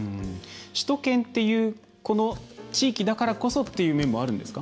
首都圏っていうこの地域だからこそっていう面もあるんですか？